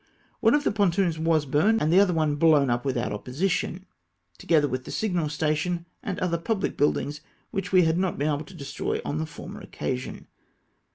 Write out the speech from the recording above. One of the pontoons was burned, and the other blown up without opposition, together with the signal station and other pubhc builduigs which we had not been able to destroy on the former occasion.